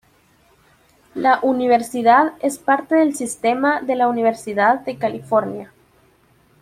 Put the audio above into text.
La universidad es parte del sistema de la Universidad de California.